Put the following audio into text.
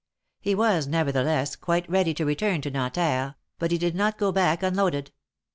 He was, nevertheless, quite ready to return to Nanterre, but he did not go back unloaded.